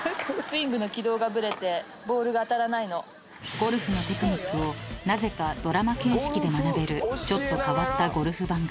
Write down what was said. ［ゴルフのテクニックをなぜかドラマ形式で学べるちょっと変わったゴルフ番組］